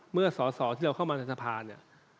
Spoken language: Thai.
เมื่อสอสอที่เราเข้ามาในสภาเนี่ย